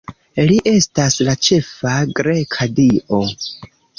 Li estas la ĉefa greka dio.